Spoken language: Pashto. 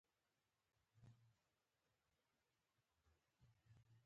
د څیړنې پایله ښيي چې مغزه په ژبه کې لویه ونډه لري